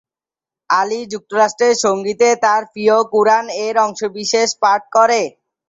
আলী যুক্তরাষ্ট্রের সঙ্গীতে তার প্রিয় কুরআন এর অংশবিশেষ পাঠ করেন।